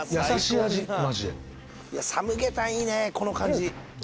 参鶏湯いいねこの感じ。